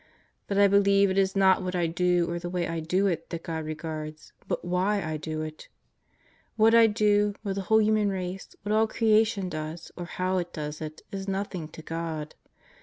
But I believe it is not what I do, or the way I do it, that God regards; but why I do it. What I do, what the whole human race, what all creation does, or how it does it, is nothing to God.